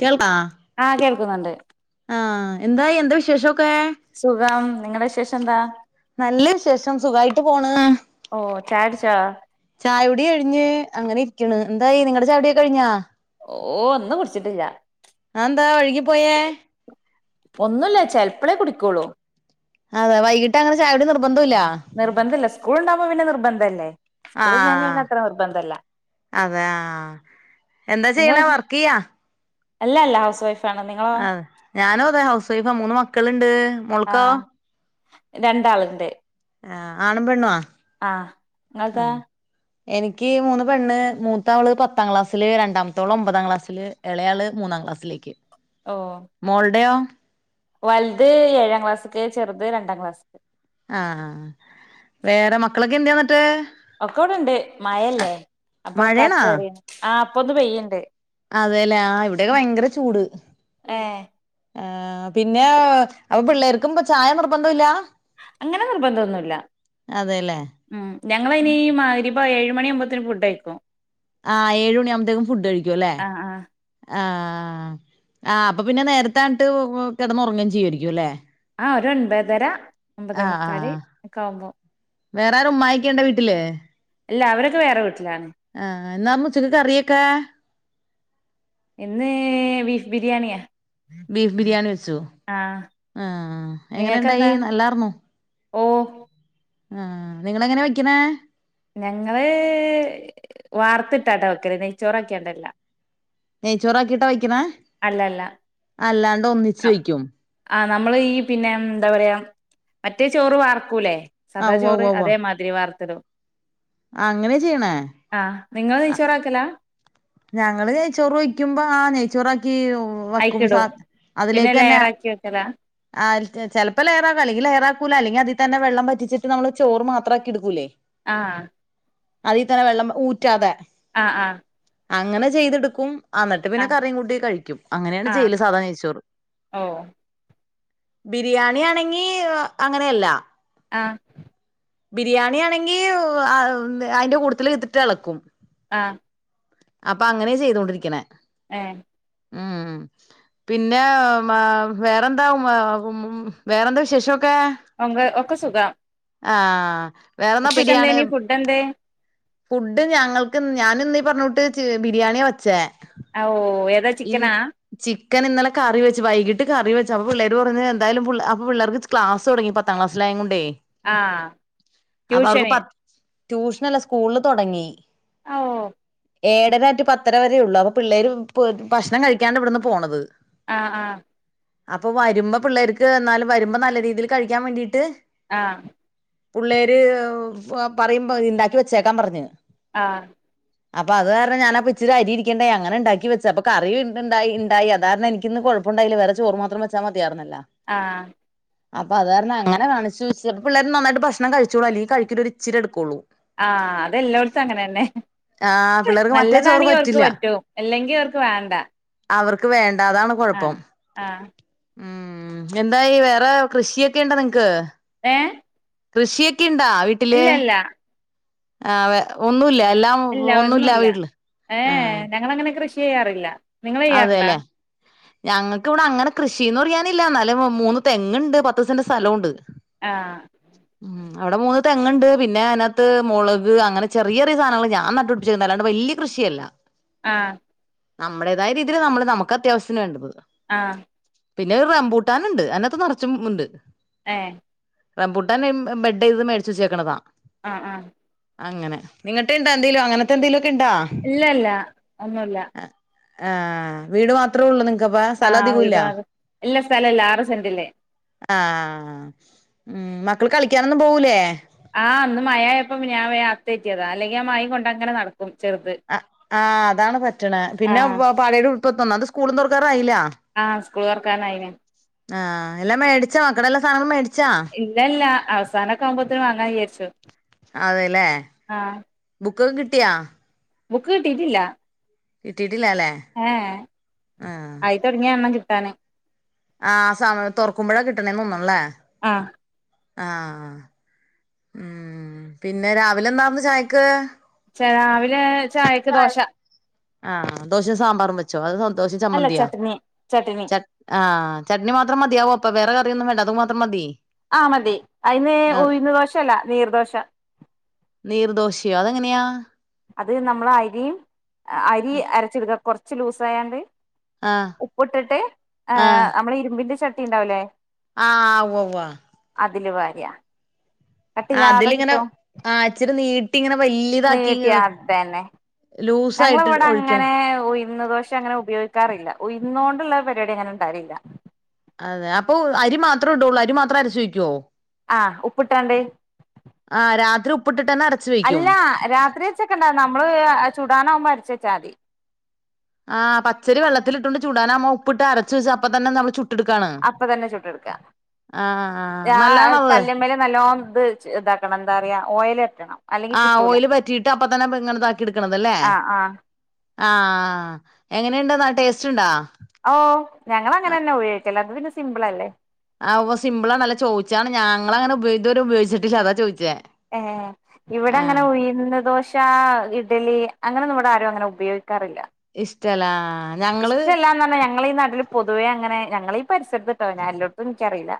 കേൾക്കാ ആ കേൾക്കുന്നുണ്ട്. ആ എന്തായി എന്താ വിശേഷൊക്കെ സുഖം. നിങ്ങളുടെ വിശേഷം എന്താ നല്ല വിശേഷം സുഖായിട്ട് പോണ്. ഓ ചായ കുടിച്ചോ? ചായകുടി കഴിഞ്ഞ് അങ്ങനെ ഇരിക്കണ്. എന്തായി നിങ്ങളടെ ചായയുടിയൊക്കെ കഴിഞ്ഞാ? ഓ ഒന്നും കുടിച്ചിട്ടില്ല. ആതെന്താ വൈകിപ്പോയേ ഒന്നുല്ല ചിലപ്പളേ കുടിക്കോളൂ. അതെ വൈകിട്ട് അങ്ങനെ ചായ കുടി നിർബന്ധം ഇല്ല. നിർബന്ധല്ല. സ്കൂൾ ഉണ്ടകുമ്പോ പിന്നെ നിർന്ധല്ലേ ആ അതെ എന്താ നിങ്ങൾ ചെയ്യണ വർക്ക് ചെയ്യാ അല്ല അല്ല ഹൗസ് വൈഫ്. ആ ഞാനും അതെ ഹൗസ് വൈഫാ മൂന്ന് മക്കളുണ്ട്. ആ രണ്ടാളിണ്ട്. ആ ആണും പെണ്ണും ആ ആ ങ്ങൾതാ എനിക്ക് മൂന്ന് പെണ്ണ്, മൂത്താവള് പത്താം ക്ലാസ്സില് രണ്ടാമത്താവള് ഒമ്പതാം ക്ലാസില് ഇളയാള് മൂന്നാം ക്ലാസ്സിലേക്ക്. ഓ മോൾടെയോ? വലുത് ഏഴാം ക്ലാസിക്ക് ചെറുത് രണ്ടാം ക്ലാസ്ക്. ആ ആഹ് വേറെ, മക്കളൊക്കെ എന്ത് ന്നിട്ട് ഒക്കെ ഇവിടെണ്ട് മയല്ലേ അപ്പൊക്കെ മഴേണാ അകത്ത് കേറിന് ആ പ്പൊന്ന് പെയ്യുണ്ട്. അതെല്ലേ ആ ഇവിടെയൊക്കെ ഭയങ്കര ചൂട്. ഏ ആ പിന്നെ അപ്പൊ പിള്ളേർക്കും ചായ നിർബന്ധംല്ല. അങ്ങനെ നിർബന്ധൊന്നുല്ല അതേല്ലേ ഉം ഞങ്ങളനി മഹ്‌രി ബ എഴുമണി ആവുമ്പത്തിന് ഫുഡ് കഴിക്കും. ആഹ് ഏഴുമണി ആകുമ്പഴത്തേക്കും ഫുഡ് കഴിക്കും അല്ലേ ആഹ് ആഹ് ആ ആ അപ്പൊ പിന്നെ നേരത്തന്നിട്ട് കിടന്നുറങ്ങയും ചെയ്യമായിരിക്കും, അല്ലേ ആ ഒരു ഒൻപത്തര ആഹ് ഒമ്പതേമുക്കാല് ആഹ് ഒക്കെ ആവുമ്പോ വേറെ ആര് ഉമ്മായിക്കേണ്ട വീട്ടില് ഇല്ല അവരൊക്കെ വേറെ വീട്ടിലാണ്. ആ എന്നാ ഉച്ചക്ക് കറിയൊക്കെ?. ഇന്ന് ബീഫ് ബിരിയാണിയാ ബീഫ് ബിരിയാണി വെച്ചോ ആഹ് ആ എങ്ങനെുണ്ടായി നല്ലായിർന്നോ?. ഓ ആഹാ നിങ്ങളെങ്ങനെ വെക്കുന്നേ? ഞങ്ങള് വാർത്തിട്ടാട്ടാ വെക്കല്ല് നെയ്ച്ചോറാക്കിയണ്ടല്ല. നെയ്യ് ചോറാകിട്ട വെക്ക്ണ അല്ല അല്ല ആ വെക്കും ആ നമ്മള് ഈ പിന്നെ എന്താ പറയാ മറ്റേ ചോറ് വാർക്കൂല്ലേ ആ സദാ ഉവ്വ ഉവ്വ ചോറ് ഉവ്വ അതേ മാതി തിരി വാർത്തിടും അങ്ങനെ ചെയ്യ്ണേ ആ നിങ്ങൾ നെയ്ച്ചോറ് ആക്കല ഞങ്ങള് നെയ്ച്ചോറ് വെക്കുമ്പോ ആ നെയ്ച്ചോറാക്കി വക്കും സാ അയ്ക്കിടും പിന്നെ അതിലേക്ക് തന്നെ ലെയറാക്കി വെക്കലാ ആഹ ചെലപ്പോ ലയറാക്കും അല്ലെങ്കിൽ ലേറാക്കൂല അല്ലങ്കി അതിൽ തന്നെ വെള്ളം വറ്റിച്ചിട്ട് നമ്മള് ചോറ് മാത്രമാക്കി എടുക്കൂലേ ആ അതിൽ തന്നെ വെള്ളം ഊറ്റാതെ ആ ആ അങ്ങനെ ചെയ്തെടുക്കും എന്നിട്ട് പിന്നെ ആഹ് കറിയും കൂട്ടി കഴിക്കും അങ്ങനെയാണ് ആഹ് ചെയ്യല് സാധാ നെയ്യ്ച്ചോറ്. ഓഹ് ബിരിയാണി ആണെങ്കി അങ്ങനെയല്ല. ആ ബിരിയാണി ആണെങ്കിൽ അതിന്റെ കൂട്ടത്തിൽ ഇത്ട്ട് ഇളക്കും ആ അപ്പൊ അങ്ങനെ ചെയ്തൊണ്ടിരിക്കണെ ഏ ഉം പിന്നെ വേറെന്താ വേറെന്താ വിശേഷൊക്കെ? ഒ ഒക്കെ സുഖം ആഹ വേറെന്താ ഉച്ചക്ക് പിരിയാണ് എന്തേനി ഫുഡ് എന്തേ ഫുഡ് ഞങ്ങൾക്ക് ഞാനിന്നീ പറഞ്ഞോട്ട് ബിരിയാണിയ വെച്ചേ ഓ ഏതാ ഇ ചിക്കനാ? ചിക്കൻ ഇന്നലെ കറി വെച്ച് വൈകിട്ട് കറി വെച്ചു അപ്പൊ പിള്ളേര് പറഞ്ഞ് എന്തായാലും അപ്പൊ പിള്ളേർക്ക് ക്ലാസ് തുടങ്ങി പത്താം ക്ലസ്സിലായകൊണ്ടേ ആഹ് അപ്പ അവർക്ക് ട്യൂഷന് പ ട്യൂഷനല്ല സ്കൂളില് തുടങ്ങി ഓ ഏഴര റ്റു പത്തര വരേ ഉള്ളു അപ്പൊ പിള്ളേര് ഭക്ഷണം കഴിക്കാണ്ട് ഇവിടുന്ന് പോണത് ആഹ ആഹ അപ്പൊ വരുമ്പോ പിള്ളേർക്ക് എന്നാലും വരുമ്പോ നല്ല രീതിയിൽ കഴിക്കാൻ വേണ്ടീട്ട് ആഹ പിള്ളേര് പറയുംമ്പ ഇണ്ടാക്കി വെച്ചേക്കാൻ പറഞ്ഞു ആ അപ്പൊ അത് കാരണം ഞാൻ അപ്പോ ഇച്ചിരി അരി ഇരിക്കേണ്ട അങ്ങനെ ഉണ്ടാക്കി വെച്ച അപ്പൊ കറി ഉണ്ടായിണ്ടായി അതാരണം എനിക്ക്ന്ന് കെഴപ്പ അപ്പൊണ്ട അയിൽ വേറെച്ചോറ് മാത്രം വച്ചാൽ മതിയാറ്ന്നല്ലോ ആ അപ്പ അതാരണം അങ്ങനെ കാണിച്ച് വച്ച് പിള്ളേര് നന്നായിട്ട് ഭക്ഷണം കഴിച്ചോളൂ അല്ലെങ്കി കഴിക്കി ഇച്ചിരി എടുക്കള്ളൂ ആഹ് അതെല്ലടത്തും അങ്ങനെന്നെ ആഹ് പിള്ളേർക്ക് മറ്റേ ചോറ് നല്ലതാണെങ്കിൽ അവർക്ക് പറ്റില്ല പറ്റും അല്ലെങ്കി അവർക്ക് വേണ്ട അവർക്ക് വേണ്ടാതാണ് ആഹ് കൊഴപ്പം ആഹ് ഉം എന്താ വേറെ കൃഷിയൊക്കെ ഉണ്ടോ നിങ്ങക്ക് ഏഹ് കൃഷിയൊക്കെ ഉണ്ടാ വ് ഇല്ലല്ല ആഹ് വെ ഒന്നുല്ല എല്ലാം ഇല്ല ഒന്നുല്ല ഏഹ് ആഹ് ഞങ്ങളങ്ങനെ കൃഷി ചെയ്യാറില്ല നിങ്ങള് ചെയ്യാറുണ്ടാ അതെല്ലേ ഞങ്ങൾക്ക് വിടെ അങ്ങനെ കൃഷിന്ന് പറയാനില്ല ന്നാലേ മൂന്ന് തെങ്ങ്ണ്ട് പത്ത് സെന്റ് സ്ഥലോണ്ട് ആഹ് ഉം അവിടെ മൂന്ന് തെങ്ങണ്ട് പിന്നെ അതിനത്ത് മുളക് അങ്ങനെ ചെറിയ ചറിയ സാധനങ്ങൾ ഞാ നട്ട് പിടിച്ചിരുന്നു അല്ലാണ്ട് വല്യ കൃഷിയല്ല ആഹ് നമ്മുടെേതായ രീതിൽ നമ്മള് നമുക്ക് അത്യാവ്യത്തിന് വേണ്ടത് ആഹ് പിന്നെ ഒരു റംമ്പൂട്ടൻണ്ട് അതിനകത്ത് നിറച്ചും ഉണ്ട് ഏഹ് റംബൂട്ടാൻ ബെഡ്യ്ത് മേടിച്ച് വച്ചേക്കണതാ ആഹ് ആഹ് അങ്ങനെ നിങ്ങട്ടണ്ടോ എന്തേലും അങ്ങനത്തെ എന്തെലു ഒക്കെ ഉണ്ടോ ഇല്ല ഇല്ല ഒന്നുല്ല ആഹ് വീട് മാ ത്രോള്ളൂ നിനക്ക്പ്പ സ്ഥലം ആഹ് അധികം ഇല്ല വീട് ഭാഗം ഇല്ല സ്ഥലല്ല ആറ് സെന്റില് ആഹ് ഉം മക്കള് കളിക്കാനൊന്നും പോവൂലേ ആഹ് ന്ന് മയായപ്പം ഞൻ വേ അത്തേറ്റിയതാ അല്ലെങ്കി ആഹ് മയിം കൊണ്ടങ്ങനെ നടക്കു ഉ ചെറുത് അഹ് ആഹ് അതാണ് പറ്റണ പിന്നെ ആഹ് പാടയുടെ ഉടുപ്പത്തോന്നാത് സ്കൂളും തുറക്കാറായില്ല ആഹ് സ്കൂൾ തുറക്കാനായിന് ആഹ് എല്ല മേടിച്ചോ മക്കടെല്ല സാനങ്ങളും മേട് ഇല്ല ഇല്ല അവസാനൊക്കെ ആവുമ്പോത്ന് വാങ്ങാചാരിച്ചു അതെല്ലേ ആഹ് ബുക്കൊക്കെ കിട്ടിയാ ബുക്ക് കിട്ടിട്ടില്ല കിട്ടിട്ടില്ലല്ലേ ആഹ് തുടങ്ങിയ എണ്ണം കിട്ടാന് ആഹ് സമ് തുറക്കുമ്പഴാ കിട്ടണേന്ന് തോന്നും ന്ന്ല്ലേ ആഹ് ആഹ് ഉം പിന്നെ രാവിലെന്താന്ന് ചായക്ക് ചെ രാവിലെ ചായക്ക് ദോശ ആഹ് ദോശം സാമ്പാറും വെച്ചോ അതോ ദോശ അല്ല ചമ്മന്തിയോ ചട്നി ചട്നി ചട് ആഹ് ചട്നി മാത്രം മതിയാവോ അപ്പൊ വേറെ കറിയൊന്നും വേണ്ട അത് മാത്രം മതി ആഹ് മതി അതിന് ആഹ് ഉയ്ന്ന് ദോശല്ല നീർ ദോശ നീർദോശയോ അതെങ്ങനെയ അത് നമ്മൾ അരിയും അരി അരച്ചെടുക്ക കൊറച്ച് ലൂസ് ആായാണ്ട് ആഹ് ഉപ്പിട്ടിട്ട് ആഹ് ഏഹ് നമ്മൾ ഇരുമ്പിന്റെ ചട്ടി ഉണ്ടാവില്ലേ ആഹ് ഉവ്വ് ഉവ്വ അതില് വാര് യാ അതിലിങ്ങനെ ഇച്ചിരി നീട്ടി ഇങ്ങനെ വലിയ നീട്ടിയ അതന്നെ ലൂസായിട്ട് ഞങ്ങളിവിടെ ഒഴിക്കണം അങ്ങനെ ഉയ്ന്ന് ദോശ പ അങ്ങനെ ഉപയോഗിക്കാറില്ല ഉയന്ന് കൊണ്ടുള്ള പരിപാടി അങ്ങനെ ഉണ്ടായിരില്ല അതെ അപ്പൊ അരി മാത്രം ഇട്ടുള്ളൂ അരി മാത്രം അരച് വെയ്ക്കുവോ ആഹ ഉപ്പിട്ടാണ്ട് ആഹ രാത്രി ഉപ്പിട്ട് തന്നെ അര അല്ല രാത്രി വെച്ചക്കണ്ടാ നമ്മള് ചൂടാനാവുമ്പോ അരച്ച് വെച്ചാൽ മതി ആഹ പച്ചരി വെള്ളത്തിലിട്ടൊണ്ട് ചൂടാനാവുമ്പം ഉപ്പിട്ട അരച്ച വെച്ച് അപ്പ തന്ന നമ്മള് ചു അപ്പൊ തന്നെ ചുട്ടെടുക്ക ആ ആ നല്ലാണത് ജാകല്ലു മേല് നല്ലോ ഇത് ഇതാക്കണം എന്താ പറയ ഓയിൽ വയ്ക്കണം ആഹ ഓയില് പറ്റിയിട്ട് അപ്പൊ തന്നെ ഇങ്ങന ഇതാക്കി എടുക്കണതല്ലേ ആഹ് ആഹ് ആഹ എങ്ങനെയുണ്ട്ന്ന ടേസ്റ്റ് ഉണ്ടോ ഓ ഞങ്ങൾ അങ്ങനെ തന്നെ ഉപയോഗിക്കല്ലോ അത് പിന്നെ സിമ്പിൾ അല്ലേ ആഹ ഉവ്വ്സിമ്പിളാണല്ല ചോദിച്ചതാണ് ഞങ്ങൾങ്ങനെ ഉപയോഗഇതുവരെ ഉപയോഗിച്ചിട്ടില്ല അതാ ചോദിച്ചേ ഏ ഇവിടെ ആ അങ്ങനെ വിടി ഉഴുന്ന് ദോശ ഇഡ്ഡലി അങ്ങനെ ഒന്നും ഇവിടെ ആരും ഉപയോഗിക്കാറില്ല ഇഷ്ടല്ലാ ആഹ ഇഷ്ടമല്ലാന്ന് പറഞ്ഞാ ഞങ്ങൾഈ നട്ടില് പൊതുവേ അങ്ങനെ ഞങ്ങളീ പരിസരത്ത് ഇട്ടോ ഞാന എല്ലാടത്തും എനിക്കറിയില്ല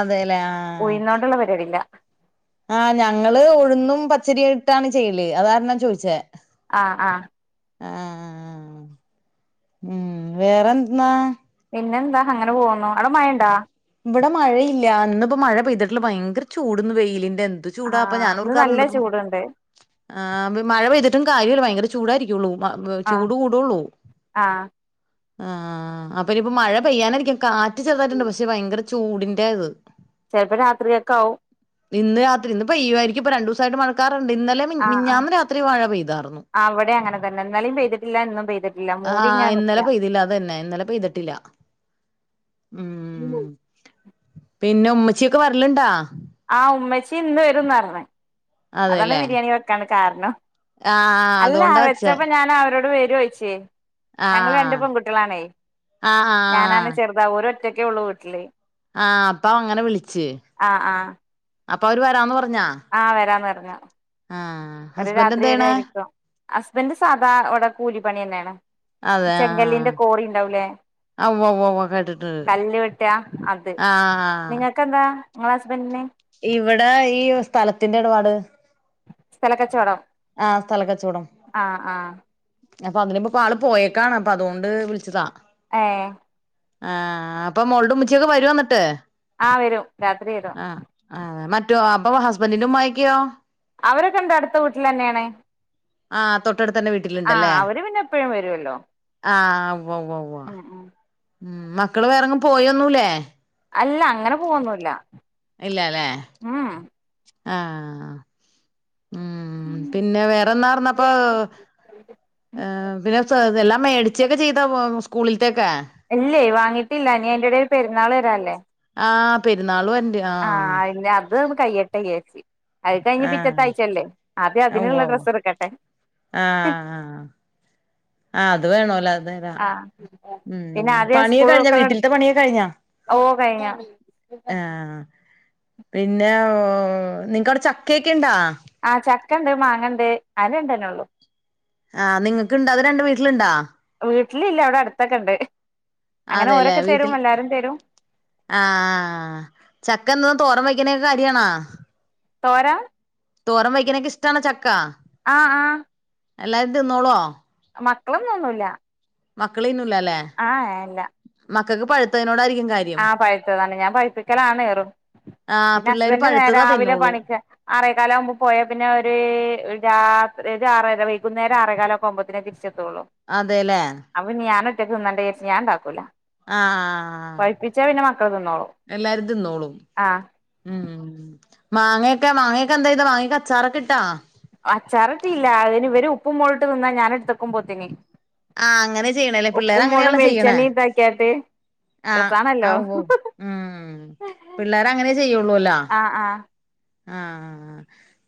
അതെല്ലേ ആ ഉഴുന്നോണ്ടുള്ള പരിപാടി ഇല്ല ആഹ് ഞങ്ങള് ഒഴുന്നും പച്ചരി ഇട്ടാണ് ചെയ്യല് അതാണ് ചോദിച്ചേ ആഹ ആഹ ആഹ ഉം വേറെദുനാ പിന്നെന്താ അങ്ങനെ പോകുന്നു അവിടെ മഴ ഉണ്ടാ ഇവിടെ മഴയില്ല ഇന്നിപ്പോ മഴ പെയ്തിട്ടില്ല ഭയങ്കര ചൂടന്ന് വെയിലിറെ എന്തു ചൂടാ അപ്പൊ ആഹ് ഞാൻ ഇന്ന് നല്ല ഓർക്കാറുണ്ട്പ്പ ചൂടുണ്ട് മഴ പെയ്തിട്ടും കാര്യല്ല ഭയങ്കര ചൂടായിരിക്കള്ളൂ ആഹ് ചൂട് കൂടുള്ളൂ ആഹ് ആഹ അപ്പൊ ഇനിപ്പപ്പോ മഴ പെയ്യാനായിരിക്കും കാറ്റ് ചെറുതായിട്ടുണ്ട് പക്ഷെ ഭയങ്കര ചൂടിന്റെ ഇത് ചിലപ്പോ രാത്രിയൊക്കെ ആവും ഇന്ന് രാത്രി ഇന്ന് പെയ്‌വായിരിക്കും ഇപ്പൊ രണ്ട് ദിവസമായിട്ട് മണക്കാറുണ്ട് ഇന്നലെ മിഞ്ഞാ ന് രാത്രി മഴ പെയ്തായിരുന്നു ഇവിടെ അങ്ങനെ തന്നെ ഇന്നലയും പെയ്തിട്ടില്ല ഇന്നും പെയ്തിട്ടില്ല മൂടി ആഹ് ഇങ്ങനെ ഇന്നലെ നിക്കാം പെയ്തില്ല അതന്നെ ഇന്നലെ പെയ്തിട്ടില്ല ഉ ഉം പിന്നെ ഉമ്മച്ചിയൊക്കെ വര്ലുണ്ടാ ആഹ ഉമ്മച്ചി ഇന്ന് വരും എന്ന് പറഞ്ഞു അതാണ് അതെല്ലേ ബിരിയാണി വെക്കാൻ കാരണം ആഹ് അല്ല അതുകൊണ്ടാ വച്ചേ വെച്ചപ്പോ ഞാൻ അവരോട് വെരുവോന്ന് ചോദിച്ച് ഞങ്ങൾ രണ്ട് ആഹ് പെൺകുട്ടികളാണെ ആഹ് ഞാനാണ് ആഹ് ചെറുത് ഇതാ അവര് ഒറ്റയ്ക്കേ ഉള്ളൂ വീട്ടില് ആഹ അപ്പ അങ്ങനെ വിളിച് ആഹ ആഹ അപ്പൊ അവര് വരാന്ന് പറഞ്ഞാ ആഹ വരാന്ന് പറഞ് ആഹ് അവരു ഹസ്ബൻഡ് രാത്രി എന്ത് ചെയ്യണേ വരുമായിരിക്കും ഹസ്ബൻഡ് സാധാ അവിടെ കൂലിപ്പണി തന്നെയാണ് അതെ ചെങ്കല്ലിന്റെ ആഹ് കോടി ഉണ്ടാവുലേ ആ ഉവ്വ ഉവ്വ ഉവ്വ കേട്ടിട്ടുണ്ട് കല്ല് വെട്ട് അത് നിങ്ങക്ക് ആഹ് നിങ്ങക്കെന്താ നിങ്ങളെ ഹസ്ബൻന്റിന് ഇവിടെ ഈ സ്ഥലത്തിന്റെ ഇടപാട് സ്ഥല കച്ചവടമോ ആഹ സ്ഥലക്കച്ചവടം അപ്പൊ അതിപ്പൊ ആള് പോയേക്കാണ് അപ്പൊ അതുകൊണ്ട് വിളിച്ചതാ ഏഹ് ആഹ് അപ്പൊ മോള്ടെ ഉമ്മച്ചിയൊക്കെ വരോന്നെട്ട് ആഹ് വരും രാത്രി വരും ആ മറ്റോ അപ്പൊ ഹസ്ബന്റിന്റെ ഉമ്മായൊക്കെയോ അവരൊക്കെണ്ട് അട്ത്ത വീട്ടിലെന്ന്യാണ് ആഹ് തൊട്ടടുത്തെന്നെ വീ ട്ട്ല്ണ്ടല്ലേ അവര് പിന്നെ എപ്പഴും വരുവല്ലോ ആഹ് ഉവ്വ് ഉവ്വ് ഉവ്വാ ഉം ഉം മ്മ് മക്കള് വേറെങ്ങും പോയൊന്നുല്ലേ അല്ല അങ്ങനെ പോവൊന്നുല്ല ഇല്ലലേ മ്മ് മ്മ് ആഹ് ഉം പിന്നെ വേറെന്നാറ്ന്നപ്പൊ ഏഹ് പിന്നെ സ എല്ലാം മേടിച്ചൊക്കെ ചെയ്തൊ സ്കൂളില്ത്തെക്കെ ഇല്ലേ വാങ്ങിട്ടില്ല ഇനി അയിന്റെടേല് പെര്ന്നാള് വരാല്ലേ ആഹ് പെര്ന്നാള് വര് ആഹ് ഇഞ്ഞത് കയ്യട്ടെ വിചാര്ച്ച് അത് ഇതഴിഞ്ഞ് പിറ്റത്ത ആഹ് ആഴ്ച്ചല്ലേ ആദ്യം അതിന്ള്ള ഡ്രസ്സ്ട്ക്കട്ടെ ആഹ് ആഹ് ആഹ് ആഹ് അത് വേണോല്ലോ അതെ താ ആഹ് ഉം പിന്നെ ആദ്യം സ്കൂൾ പണിയൊക്കെ കഴിഞ്ഞോ തുറക്കണ വീട്ടില്ത്തെ പണിയൊക്കെ കഴിഞ്ഞോ ഓ കഴിഞ്ഞു ആഹ് പിന്നെ [unintelligible] നിങ്ങക്ക്വ്ടെ ചക്കയ്ക്ക്‌ണ്ടോ ആഹ് ചക്കണ്ട് മാങ്ങണ്ട് ആ രണ്ടെന്നൊള്ളൂ ആഹ് നിങ്ങക്ക്ണ്ടോ അത് രണ്ടും വീട്ടില്ണ്ടോ വീട്ടിലില്ല ഇവടെ അടുത്തൊക്കെ ഇണ്ട് അങ്ങനെ അതെല്ലേ ഓരൊക്കെ തരും വീട്ടിൽ എല്ലാരും തരും ആഹ് ചക്ക എന്നും തോരം വയ്ക്കണേക്കരിയണാ തോരം തോരം വെയ്ക്കണെക്കെ ഇഷ്ട്ടാണോ ചക്കാ ആഹ് ആഹ് എല്ലാരും തിന്നോളോ മക്കളൊന്നും തിന്നൂല മക്കള് തിന്നൂലലേ ആഹ് ഏഹ് ഇല്ല മക്കക്ക് പഴ്ത്തേനോടാരിക്കും കാ ആഹ് പഴ്ത്തതാണ് ഞാൻ പഴപ്പിക്കലാണ് ഏറും ആഹ് പിന്നെ പിള്ളേര് ഹസ്ബന്റ് നേ പഴുത്തതാ രാവിലെ തിന്നോളൂ പണിക്ക്‌ ആറേകാലാവുമ്പോ പോയാ പിന്നെ ഒര് ഒര് രാത്രി ഒര് ആറര വൈകുന്നേരം ആറേകാലൊക്കെ ആവുമ്പോത്തിനെ തിരിച് ച്ചെത്തോളൂ അതെല്ലേ അപ്പ പിന്നെ ഞാന് ഒറ്റക്ക് തിന്നണ്ടെ വിചാരിച്ച് ഞാൻ ഇണ്ടാക്കൂല ആഹ് ആഹ് മക്കള് തിന്നോളും എല്ലാരും തിന്നോളും ആഹ് ഉം മാങ്ങയൊക്കെ മാങ്ങയൊക്കെ എന്തേയ്തെ മാങ്ങയൊക്കെ അച്ചാറൊക്കെ ഇട്ടോ അച്ചാറിട്ടില്ല അതിന് ഇവര് ഇപ്പും മൊള്ട്ട് തിന്നാ ഞാൻ എട്ത്ത്ക്കുമ്പോത്തിന് ആഹ് അങ്ങനെ ചെയ്യ്ണെലേ പിള്ളേര് അങ്ങനെയാണല്ലോ ചെയ്യ്ണേ ക്ക്യാട്ട് ആഹ് ആഹ് ഉവ്വ് ഉം പിള്ളേരങ്ങനെ ചെയ്യൂള്ളോലൊ ആഹ് ആഹ് ആഹ്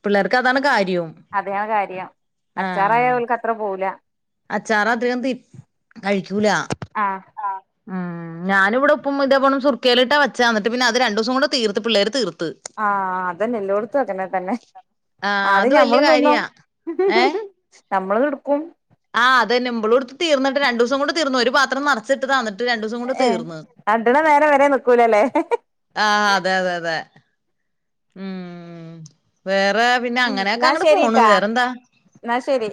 പിള്ളേർക്ക് അതാണ് കാര്യം അതെയാ കാര്യം അച്ചാറായ ഓല്ക്ക് അത്ര പോവൂല അച്ചാറ് അധികം തിന് കഴിക്കൂല ആഹ് ഉം ഞാനിവിടെ ഉപ്പും ഇതെ പോണം സുർക്കേലിട്ടാ വെച്ചേ അന്നിട്ട് പിന്നെ അത് രണ്ടൂസം കൊണ്ട് തീർത്ത് പിള്ളേര് തീർത്ത് ആഹ് അതന്നെ എല്ലോട്ത്തും അങ്ങനെ തന്നെ ആഹ് അത് ആദ്യം വല്യ ഞമ്മളും തിന്നും കാര്യാ ഏഹ് നമ്മള് ഇട്ക്കും ആഹ് അതന്നെ മ്പുളോ എടുത്ത് തീർന്നിട്ട് രണ്ട് ദിവസം കൊണ്ട് തീർന്നു ഒരു പാത്രം നറച്ചിട്ട്ട്ടാ വന്നെ എന്നിട്ട് രണ്ട് ദിവസം കൊണ്ട് തീർന്ന് രണ്ടെണ്ണം വേറെ വരെ വെക്കൂലല്ലേ ആഹ് അതെ അതെ അതെ ഉം വേറെ പിന്നെ അങ്ങനെക്കെ അങ്ങട് പോണ് വേറെന്താ എന്ന ശരി